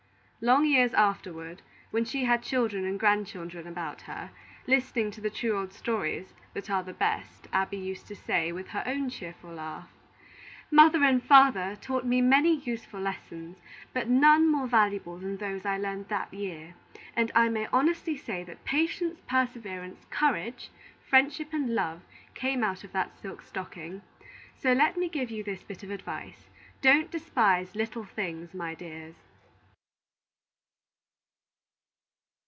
Long years afterward, when she had children and grandchildren about her, listening to the true old stories that are the best, Abby used to say, with her own cheerful laugh: "My father and mother taught me many useful lessons, but none more valuable than those I learned that year; and I may honestly say that patience, perseverance, courage, friendship, and love, came out of that silk stocking. So let me give you this bit of advice: Don't despise little things, my dears!"